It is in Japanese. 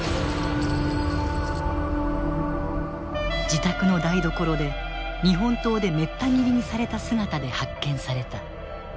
自宅の台所で日本刀でめった斬りにされた姿で発見された。